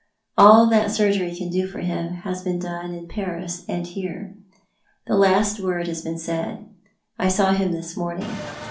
All that surgery can do for him has been done in Paris and here. The last word has been said. I saw him this morning.